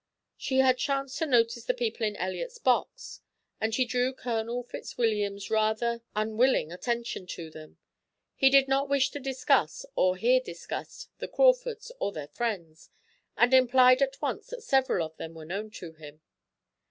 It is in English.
She had chanced to notice the people in the Elliots' box, and she drew Colonel Fitzwilliam's rather unwilling attention to them. He did not wish to discuss, or hear discussed, the Crawfords or their friends, and implied at once that several of them were known to him.